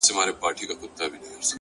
• هم داسي ستا دا گل ورين مخ؛